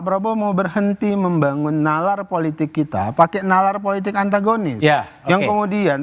prabowo mau berhenti membangun nalar politik kita pakai nalar politik antagonis yang kemudian